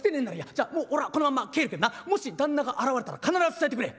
じゃあもう俺はこのまんま帰るけどなもし旦那が現れたら必ず伝えてくれ。